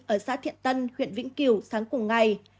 ở xã thiện tân huyện vĩnh kiểu sáng cùng ngày